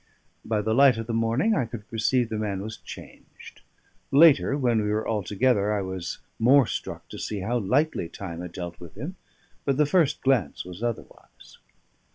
By the light of the morning I could perceive the man was changed. Later, when we were all together, I was more struck to see how lightly time had dealt with him; but the first glance was otherwise.